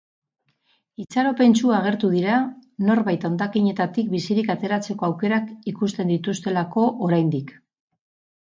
Itxaropentsu agertu dira, norbait hondakinetatik bizirik ateratzeko aukerak ikusten dituztelako oraindik.